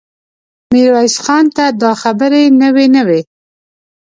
ميرويس خان ته دا خبرې نوې نه وې.